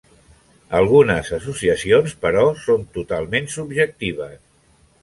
Algunes associacions, però, són totalment subjectives.